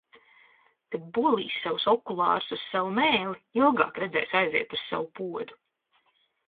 Kad bolīs savus okulārus uz savu mēli, ilgāk redzēs aiziet uz savu podu.